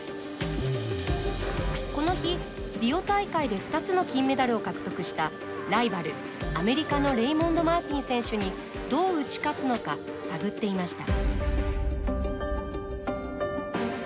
この日、リオ大会で２つの金メダルを獲得したライバル、アメリカのレイモンド・マーティン選手にどう打ち勝つのか探っていました。